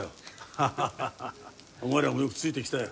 ハハハハハッお前らもよくついてきたよ